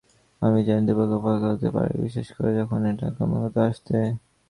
আমি জানি দুর্ভাগ্য ভয়ংকর হতে পারে, বিশেষ করে যখন এটা ক্রমাগত আসতে থাকে।